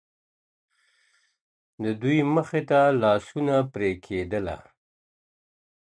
د دوى مخي ته لاسونه پرې كېدله.